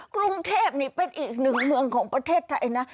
กรุงเทพนี่เป็นอีกหนึ่งเมืองของประเทศไทยนะ